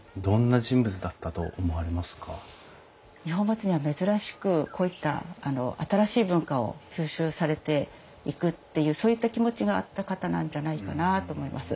二本松には珍しくこういった新しい文化を吸収されていくっていうそういった気持ちがあった方なんじゃないかなと思います。